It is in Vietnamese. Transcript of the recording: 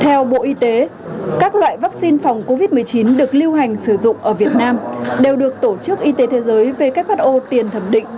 theo bộ y tế các loại vaccine phòng covid một mươi chín được lưu hành sử dụng ở việt nam đều được tổ chức y tế thế giới who tiền thẩm định